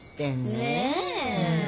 ねえ。